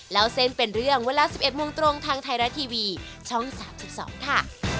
แล้วเส้นเป็นเรื่องเวลา๑๑โมงตรงทางไทยรัฐทีวีช่อง๓๒ค่ะ